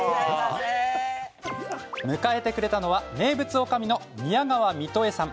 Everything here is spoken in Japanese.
迎えてくれたのは名物おかみの宮川美登江さん。